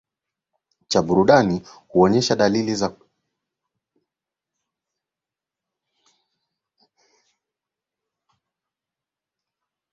cha burudani haioneshi dalili za kuacha kuupa kipaumbele muziki huo kwakuwa kupitia kama peni